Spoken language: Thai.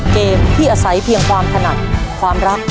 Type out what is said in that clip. เกมที่อาศัยเพียงความถนัดความรัก